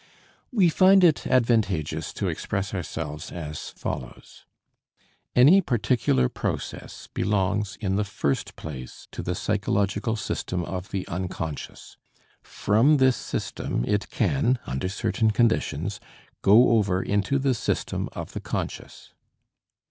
We find it advantageous to express ourselves as follows: Any particular process belongs in the first place to the psychological system of the unconscious; from this system it can under certain conditions go over into the system of the conscious.